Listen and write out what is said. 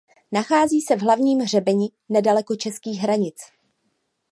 Nachází se v hlavním hřebeni nedaleko českých hranic.